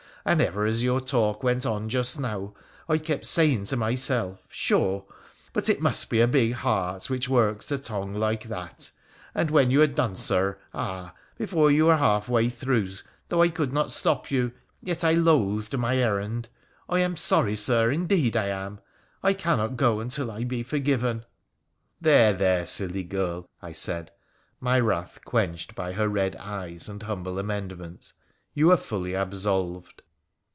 And ever as your talk went on just now, I kept saying to myself, Sure ! but it must be a big heart which works a tongue like that ; and when you had done, Sir, ah ! before you were halfway through, though I could not stop you, yet I loathed my errand. I am sorry, Sir, indeed I am ! I cannot go until I be forgiven !'' There, there, silly girl,' I said, my wrath quenched by her red eyes and humble amendment, ' you are fully absolved.'